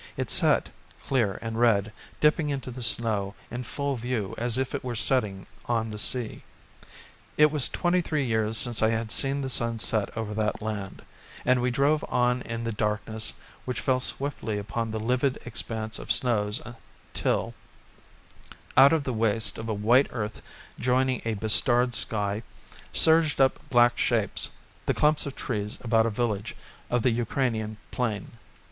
It set, clear and red, dipping into the snow in full view as if it were setting on the sea. It was twenty three years since I had seen the sun set over that land; and we drove on in the darkness which fell swiftly upon the livid expanse of snows till, out of the waste of a white earth joining a bestarred sky, surged up black shapes, the clumps of trees about a village of the Ukrainian plain.